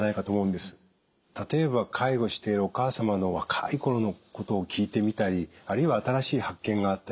例えば介護しているお母様の若い頃のことを聞いてみたりあるいは新しい発見があったり。